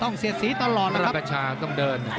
ต้องเหลือสีตลอดไฟแดงต้องเดิน